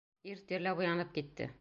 Ир тирләп уянып китте.